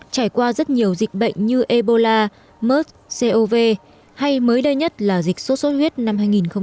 trải qua rất nhiều dịch bệnh như ebola mers cov hay mới đây nhất là dịch sốt sốt huyết năm hai nghìn một mươi bảy